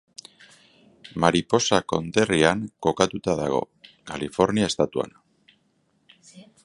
Mariposa konderrian kokatuta dago, Kalifornia estatuan.